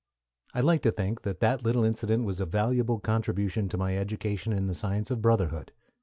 "] I like to think that that little incident was a valuable contribution to my education in the science of brotherhood.